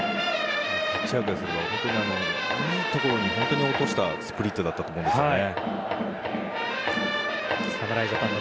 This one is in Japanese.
ピッチャーからすれば本当にいいところに落としたスプリットだったと思うんですよね。